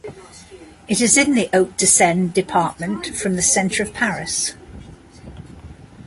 It is in the Hauts-de-Seine department from the center of Paris.